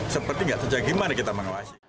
seperti nggak sejauh gimana kita mengawasi